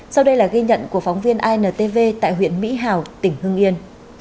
sau đây là ghi nhận của phóng viên intv tại huyện mỹ hào tỉnh hưng yên